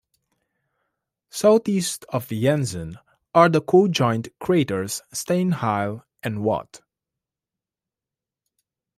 Southeast of Janssen are the co-joined craters Steinheil and Watt.